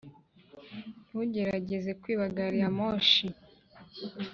ntugerageze kwiba gari ya moshi.